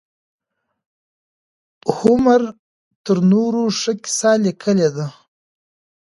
هومر تر نورو ښه کيسه ليکلې ده.